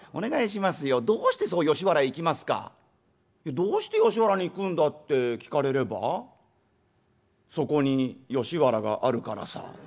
「どうして吉原に行くんだって聞かれればそこに吉原があるからさ」。